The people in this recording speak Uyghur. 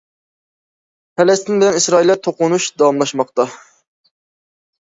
پەلەستىن بىلەن ئىسرائىلىيە توقۇنۇشى داۋاملاشماقتا.